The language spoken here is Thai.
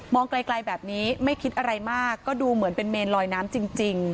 ไกลแบบนี้ไม่คิดอะไรมากก็ดูเหมือนเป็นเมนลอยน้ำจริง